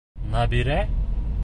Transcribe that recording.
Нәбирә!..